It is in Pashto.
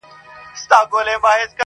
له تش چمن او لاله زار سره مي نه لګیږي!!